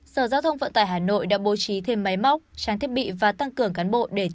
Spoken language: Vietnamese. sở giao thông vận tải hà nội đã bố trí thêm máy móc tráng thiết bị và tăng cường cán bộ để tiếp nhận hồ sơ